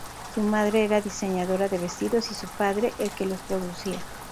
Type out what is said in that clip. Su madre era diseñadora de vestidos y su padre, el que los producía.